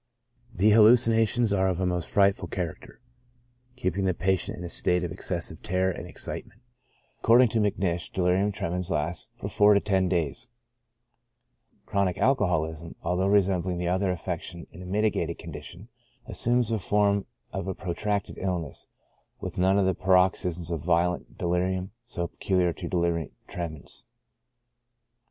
The 22 CHRONIC ALCOHOLISM. hallucinations are of a most frightful character, keeping the patient in a state of excessive terror and excitement. According to Macnish, delirium tremens lasts from four to ten days. Chronic alcoholism, although resembling the other affection in a mitigated condition, assumes the form of a protracted illness, with none of the paroxysms of vio lent deUrium so peculiar to delirium tremens.